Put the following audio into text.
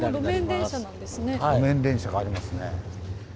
路面電車がありますね。